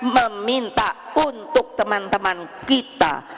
meminta untuk teman teman kita